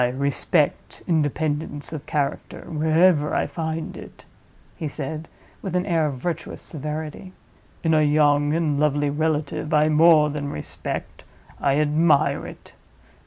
"I respect independence of character wherever I find it," he said, with an air of virtuous severity. "In a young and lovely relative, I more than respect—I admire it.